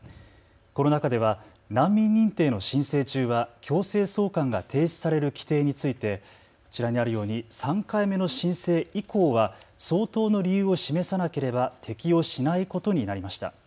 この中では難民認定の申請中は強制送還が停止される規定について、こちらにあるように３回目の申請以降は相当の理由を示さなければ適用しないことになりました。